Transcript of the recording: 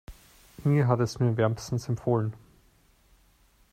Inge hat es mir wärmstens empfohlen.